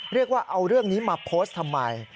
เรียกว่าเอาเรื่องนี้มาโพสต์ทำไม